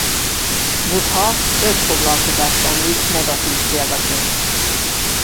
Buddha öt foglalkozást említ negatív példaként.